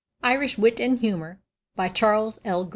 IRISH WIT AND HUMOR By Charles L.